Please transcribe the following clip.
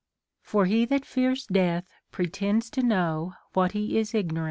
For he that fears death pretends to know what he is ignorant * Plat.